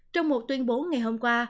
trong một tuyên bố ngày hôm qua